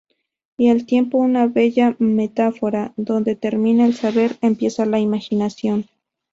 Y al tiempo una bella metáfora: donde termina el saber, empieza la imaginación.